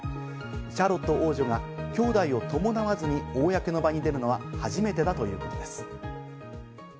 シャーロット王女はきょうだいを伴わずに公の場に出るのは初めてだということです。